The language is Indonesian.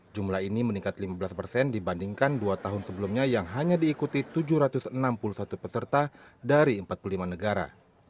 jumlah ini meningkat lima belas persen dibandingkan dua tahun sebelumnya yang hanya diikuti tujuh ratus enam puluh satu peserta dari empat puluh lima negara